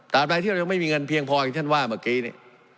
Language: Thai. รายที่เรายังไม่มีเงินเพียงพออย่างท่านว่าเมื่อกี้นี่